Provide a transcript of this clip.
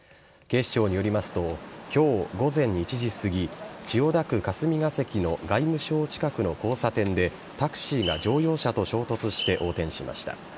警視庁によりますと今日午前１時すぎ千代田区霞が関の外務省近くの交差点でタクシーが乗用車と衝突して横転しました。